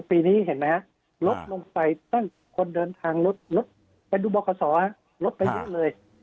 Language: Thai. ปีนี้เห็นมั้ยลดลงไปตั้งคนเดินทางลดลดไปดูบริกษาศาสนิทธิ์ลดไปเยอะเลย